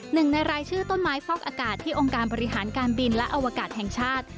หนึ่งในรายชื่อต้นไม้ฟอกอากาศที่องค์การบริหารการบินและอวกาศแห่งชาติ